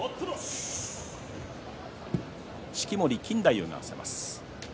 式守錦太夫が合わせます。